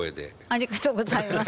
ありがとうございます。